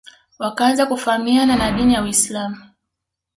wakaanza kufahamiana na dini ya Uislam